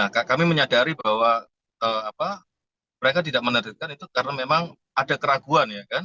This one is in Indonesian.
nah kami menyadari bahwa mereka tidak menertibkan itu karena memang ada keraguan